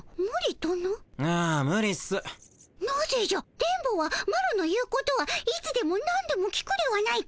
電ボはマロの言うことはいつでもなんでも聞くではないか。